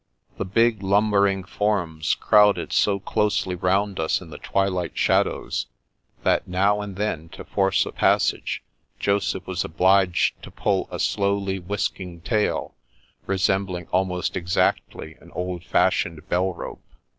The big, lumbering forms crowded so closely round us in the twilight shadows, that now and then, to force a passage, Joseph was obliged to pull a slowly whisking tail, resembling almost exactly an old fashioned bell rope.